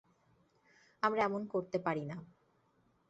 আমরা এমন করতে পারি না।